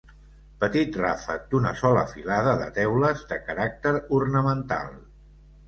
Petit ràfec d'una sola filada de teules de caràcter ornamental.